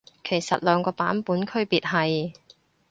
其實兩個版本區別係？